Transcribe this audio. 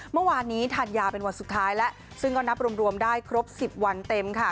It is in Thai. เมื่อวานนี้ทานยาเป็นวันสุดท้ายแล้วซึ่งก็นับรวมได้ครบ๑๐วันเต็มค่ะ